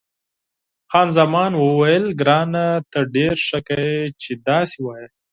خان زمان وویل، ګرانه ته ډېره ښه کوې چې داسې وایې.